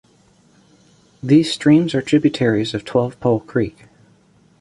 These streams are tributaries of Twelvepole Creek.